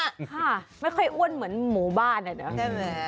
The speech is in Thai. ค่ะไม่ค่อยอ้วนเหมือนหมู่บ้านอ่ะเดี๋ยวใช่ไหม